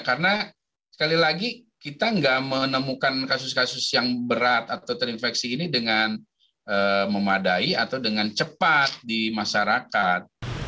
karena sekali lagi kita nggak menemukan kasus kasus yang berat atau terinfeksi ini dengan memadai atau dengan cepat di masyarakat